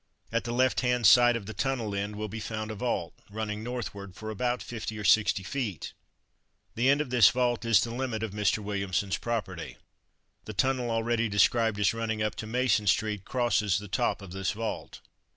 At the left hand side of the tunnel end will be found a vault, running northward for about fifty or sixty feet. The end of this vault is the limit of Mr. Williamson's property. The tunnel already described as running up to Mason street crosses the top of this vault.